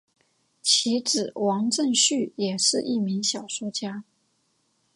其子王震绪也是一名小说家。